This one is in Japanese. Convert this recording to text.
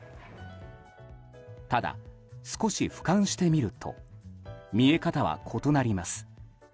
ただ、少し俯瞰してみると見え方は異なります。